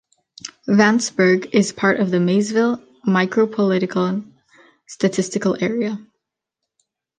Vanceburg is part of the Maysville Micropolitan Statistical Area.